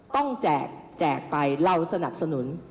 แจกแจกไปเราสนับสนุน